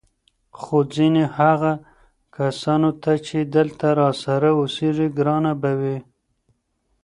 خو ځینو هغه کسانو ته چې دلته راسره اوسېږي ګرانه به وي